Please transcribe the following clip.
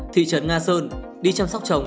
thị trấn nga sơn đi chăm sóc chồng